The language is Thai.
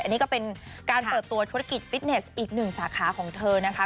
อันนี้ก็เป็นการเปิดตัวธุรกิจฟิตเนสอีกหนึ่งสาขาของเธอนะคะ